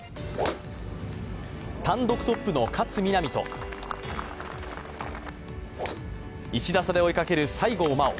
単独トップの勝みなみと、１打差で追いかける西郷真央。